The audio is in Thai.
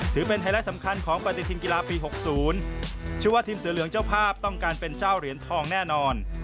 ไฮไลท์สำคัญของปฏิทินกีฬาปี๖๐เชื่อว่าทีมเสือเหลืองเจ้าภาพต้องการเป็นเจ้าเหรียญทองแน่นอน